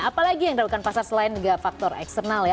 apalagi yang dilakukan pasar selain juga faktor eksternal ya